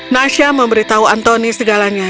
naysha memberitahu anthony segalanya